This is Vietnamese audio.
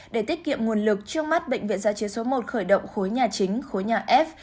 để tiết kiệm nguồn lực trước mắt bệnh viện giã chiến số một khởi động khối nhà chính khối nhà f